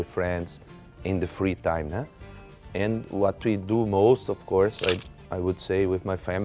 ฉันชอบกินที่ร้านเพราะเบนก็อังกฤษมีพื้นที่ต่าง